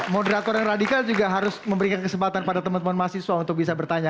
moderator yang radikal juga harus memberikan kesempatan pada teman teman mahasiswa untuk bisa bertanya